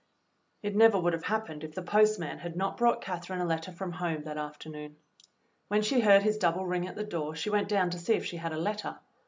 It never would have happened if the postman had not brought Catherine a letter from home that after noon. When she heard his double ring at the door she went down to see if she had a letter.